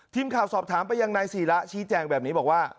ทีมข่าวสอบถามไปยังนายศีระชี้แจงแบบนี้บอกว่า